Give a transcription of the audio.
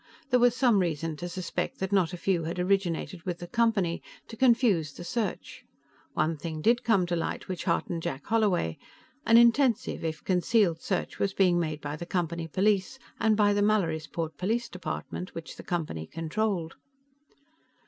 There was some reason to suspect that not a few had originated with the Company, to confuse the search. One thing did come to light which heartened Jack Holloway. An intensive if concealed search was being made by the Company police, and by the Mallorysport police department, which the Company controlled.